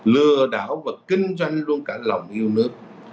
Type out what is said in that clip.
lừa đảo và kinh doanh luôn cả lòng yêu nước